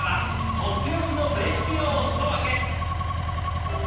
とっておきのレシピをおすそ分け。